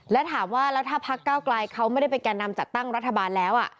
และถามว่าแล้วถ้าพักเก้าไกลเขาไม่ได้เป็นแก่นำจัดตั้งรัฐบาลแล้ว